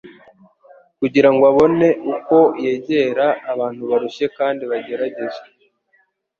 kugira ngo abone uko yegera abantu barushye kandi bageragezwa.